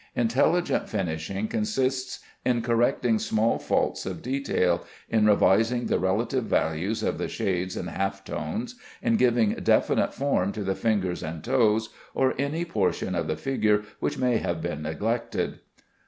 Intelligent finishing consists in correcting small faults of detail, in revising the relative values of the shades and half tones, in giving definite form to the fingers and toes, or any portion of the figure which may have been neglected.